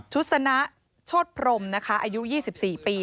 ชุดสนะโชธพรมนะคะอายุ๒๔ปี